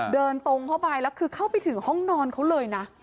เดินตรงเข้าไปแล้วคือเข้าไปถึงห้องนอนเขาเลยนะ